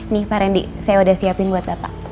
nih pak randy saya udah siapin buat bapak